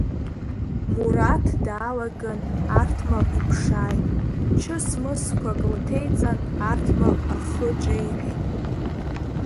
Мураҭ даалаган арҭмаҟ иԥшааит, чыс-мысқәак лҭеиҵан, арҭмаҟ ахы ҿеиҳәеит.